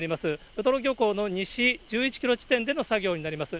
ウトロ漁港の西１１キロ地点での作業になります。